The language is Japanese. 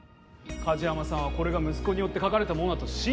梶山さんはこれが息子によって書かれたものだと信じた